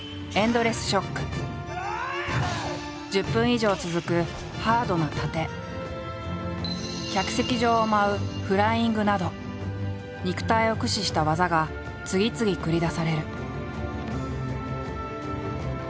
１０分以上続くハードな殺陣客席上を舞うフライングなど肉体を駆使した技が次々繰り出される。